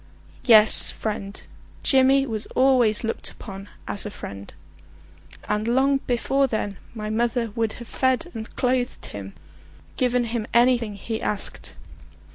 Yes, friend; Jimmy was always looked upon as a friend; and long before then my mother would have fed and clothed him, given him anything he asked.